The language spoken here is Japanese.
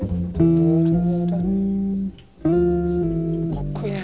かっこいいね。